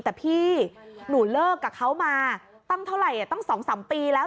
แต่พี่หนูเลิกกับเขามาตั้งเท่าไหร่ตั้ง๒๓ปีแล้ว